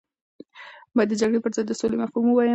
باید د جګړې پر ځای د سولې مفهوم ووایم.